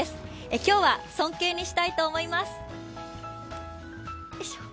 今日は尊敬にしたいと思います。